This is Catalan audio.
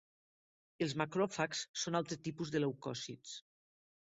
Els macròfags són altres tipus de leucòcits.